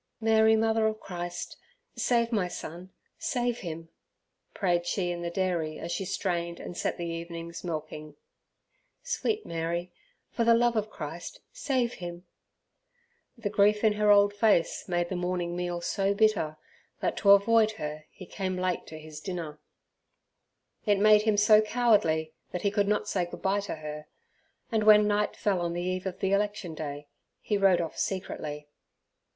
"Mary, Mother of Christ! save my son! Save him!" prayed she in the dairy as she strained and set the evening's milking "Sweet Mary! for the love of Christ, save him!" The grief in her old face made the morning meal so bitter, that to avoid her he came late to his dinner. It made him so cowardly, that he could not say goodbye to her, and when night fell on the eve of the election day, he rode off secretly.